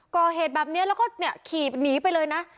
ก็เหตุแบบเนี้ยแล้วก็เนี่ยขี่หนีไปเลยนะ